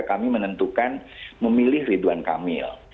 kami menentukan memilih ridwan kamil